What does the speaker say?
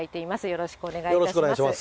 よろしくお願いします。